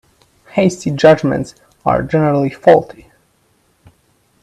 Hasty judgements are generally faulty.